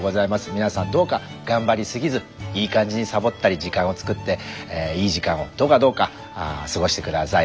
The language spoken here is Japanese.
みなさんどうか頑張り過ぎずいい感じにさぼったり時間をつくっていい時間をどうかどうか過ごして下さい。